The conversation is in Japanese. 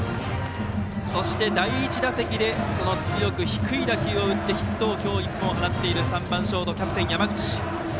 そして第１打席で強く低い打球を打ってヒットを今日１本放っている３番ショート、キャプテンの山口。